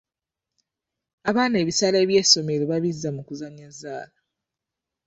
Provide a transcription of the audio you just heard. Abaana ebisale by'essomero babizza mu kuzannya zzaala.